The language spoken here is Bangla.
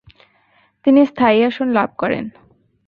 তিনি স্থায়ী আসন লাভ করেন।